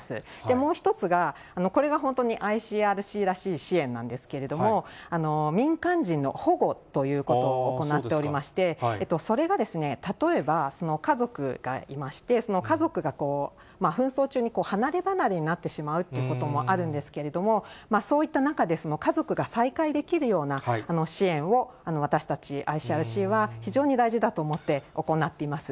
もう１つが、これが本当にＩＣＲＣらしい支援なんですけれども、民間人の保護ということを行っておりまして、それが例えば家族がいまして、その家族が紛争中に離れ離れになってしまうということもあるんですけれども、そういった中で家族が再会できるような支援を、私たちＩＣＲＣは非常に大事だと思って行っています。